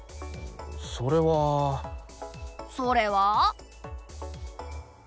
それは。それは？